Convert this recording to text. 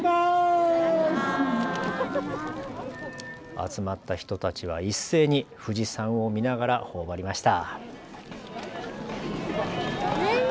集まった人たちは一斉に富士山を見ながらほおばりました。